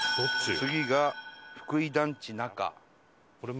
次が福井団地中。